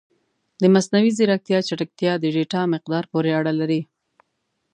د مصنوعي ځیرکتیا چټکتیا د ډیټا مقدار پورې اړه لري.